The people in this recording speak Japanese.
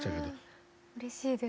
いやうれしいです。